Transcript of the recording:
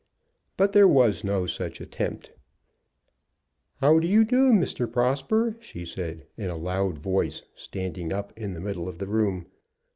But there was no such attempt. "How do you do, Mr. Prosper?" she said, in a loud voice, standing up in the middle of the room.